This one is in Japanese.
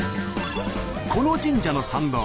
この神社の参道